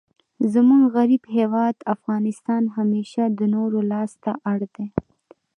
زموږ غریب هیواد افغانستان همېشه د نورو لاس ته اړ دئ.